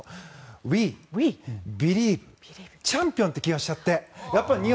ウィー、ビリーブ、チャンピオンという気がしちゃって。